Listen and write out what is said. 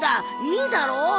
いいだろう？